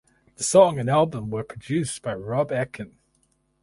The song and album were produced by Rob Aickin.